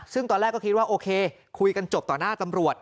ซึ่งตอนแรกก็คิดว่าโอเคคุยกันจบต่อหน้าตำรวจ